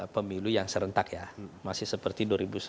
pemilu yang serentak ya masih seperti